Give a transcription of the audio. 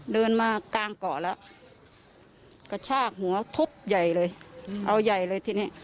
เดินมากลางเกาะแล้วกระชากหัวทุบใหญ่เลยเอาใหญ่เลยทีนี้